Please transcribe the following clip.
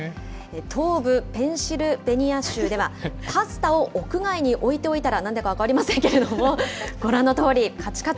東部ペンシルベニア州では、パスタを屋外に置いておいたら、なんでか分かりませんけれども、ご覧のとおり、かちかち。